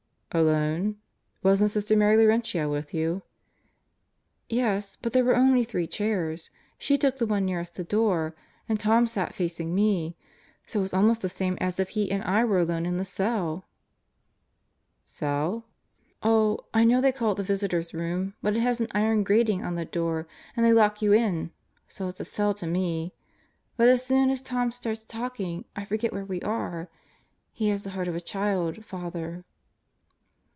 "Alone? Wasn't Sister Mary Laurentia with you?" "Yes, but there were only three chairs. She took the one nearest the door, and Tom sat facing me. So it was almost the same as if he and I were alone in the cell." "Cell?" 30 God Goes to Murderers Row "Oh, I know they call it the Visitors' Room, but it has an iron grating on the door and they lock you in, so it's a cell to me, But as soon as Tom starts talking I forget where we are. He has the heart of a child, Father."